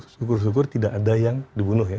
syukur syukur tidak ada yang dibunuh ya